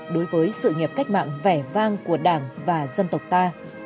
đối với sự nghiệp cách mạng vẻ vang của đảng và dân tộc ta